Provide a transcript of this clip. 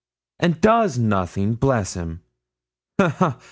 'An' does nothin', bless him! ha, ha.